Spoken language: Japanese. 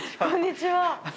こんにちは。